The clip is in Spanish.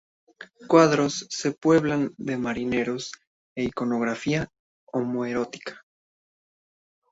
Sus cuadros se pueblan de marineros e iconografía homoerótica.